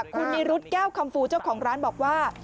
คุณนิรุธแก้วคำฟูเจ้าของร้านบอกว่า